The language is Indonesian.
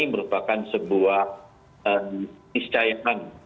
merupakan sebuah miscayakan